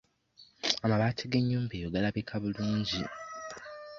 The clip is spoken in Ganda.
Amabaati g'ennyumba eyo galabika bulungi.